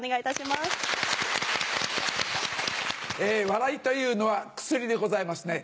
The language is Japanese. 笑いというのは薬でございますね。